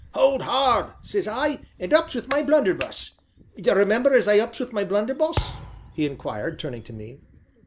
'Hold hard!' says I, and ups with my blunderbuss; you remember as I ups with my blunderbuss?" he inquired, turning to me.